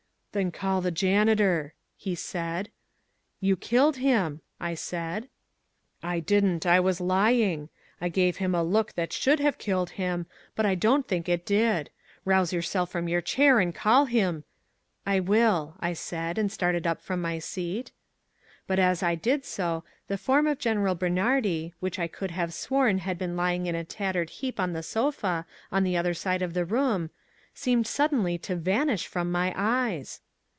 "Then call the janitor," he said. "You killed him," I said. "I didn't. I was lying. I gave him a look that should have killed him, but I don't think it did. Rouse yourself from your chair, and call him " "I will," I said, and started up from my seat. But as I did so, the form of General Bernhardi, which I could have sworn had been lying in a tattered heap on the sofa on the other side of the room, seemed suddenly to vanish from my eyes.